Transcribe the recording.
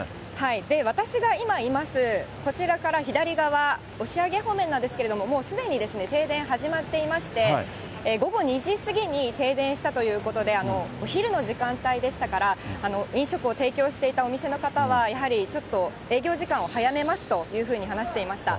私が今います、こちらから左側、押上方面なんですけれども、もうすでに停電、始まっていまして、午後２時過ぎに停電したということで、お昼の時間帯でしたから、飲食を提供していたお店の方は、やはりちょっと営業時間を早めますというふうに話していました。